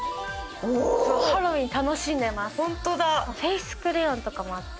ハロウィーン楽しんでますって。